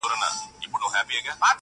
ستا د سونډو له ساغره به یې جار کړم.